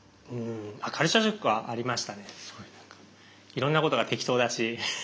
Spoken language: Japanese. いろんなことが適当だし。